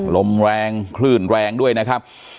ลมแรงคลื่นแรงด้วยนะครับ